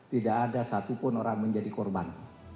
tidak ada satupun orang menjadi korban